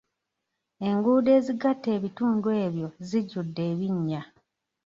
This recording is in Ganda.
Enguudo ezigatta ebitundu ebyo zijjudde ebinnya.